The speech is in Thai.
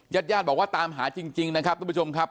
ญาติญาติบอกว่าตามหาจริงนะครับทุกผู้ชมครับ